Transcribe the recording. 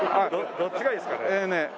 どっちがいいですかね？